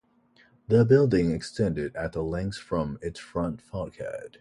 The building extended at length from its front facade.